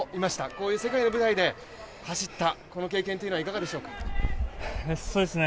こういう世界の舞台で走った経験というのはいかがでしょうか。